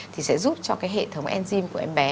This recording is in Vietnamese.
thì sẽ giúp cho hệ thống enzyme của em bé